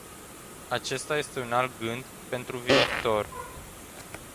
Acesta este un alt gând pentru viitor.